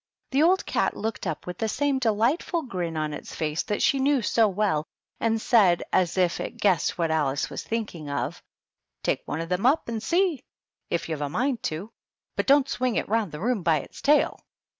The old cat looked up with the same delightful grin on its face that she knew so well, and said, as if it guessed what Alice was thinking of, — "Take one of them up and see, if you've a mind to; but don't swing it round the room by its tail."